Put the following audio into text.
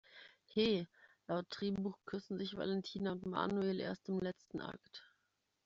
He, laut Drehbuch küssen sich Valentina und Manuel erst im letzten Akt!